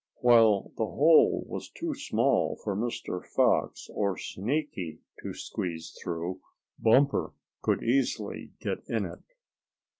While the hole was too small for Mr. Fox or Sneaky to squeeze through, Bumper could easily get in it.